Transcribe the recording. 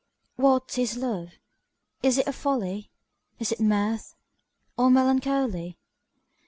WHAT is Love? Is it a folly, Is it mirth, or melancholy?